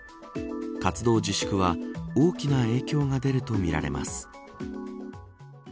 活動自粛は大きな影響が出るとみられます。